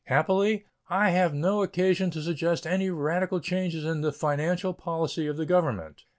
Happily, I have no occasion to suggest any radical changes in the financial policy of the Government.